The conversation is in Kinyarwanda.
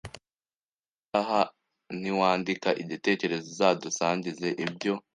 ubutaha niwandika igitekerezo uzadusangize ibyo